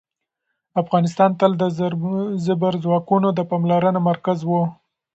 افغانستان تل د زبرځواکونو د پاملرنې مرکز و.